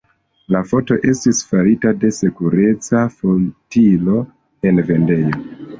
La foto estis farita de sekureca fotilo en vendejo.